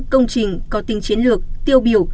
công trình có tính chiến lược tiêu biểu